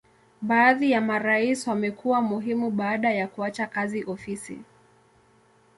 Baadhi ya marais wamekuwa muhimu baada ya kuacha kazi ofisi.